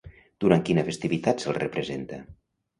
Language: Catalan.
Durant quina festivitat se'l representa?